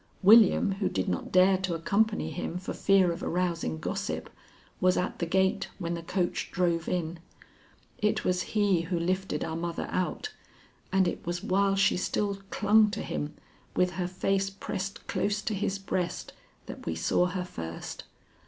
William, who did not dare to accompany him for fear of arousing gossip, was at the gate when the coach drove in. It was he who lifted our mother out, and it was while she still clung to him with her face pressed close to his breast that we saw her first.